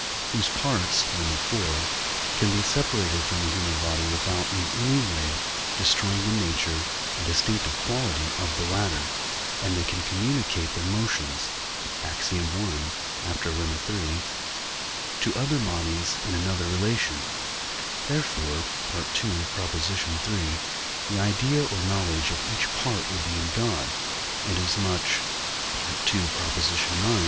whose parts (Lemma iv.) can be separated from the human body without in any way destroying the nature and distinctive quality of the latter, and they can communicate their motions (Ax. i., after Lemma iii.) to other bodies in another relation; therefore (II. iii.) the idea or knowledge of each part will be in God, inasmuch (II. ix.)